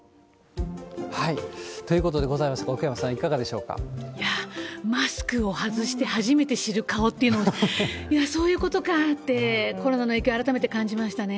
ということでございまして、奥山さん、いや、マスクを外して初めて知る顔っていうの、いや、そういうことかって、コロナの影響を改めて感じましたね。